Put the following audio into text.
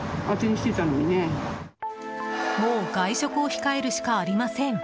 もう外食を控えるしかありません。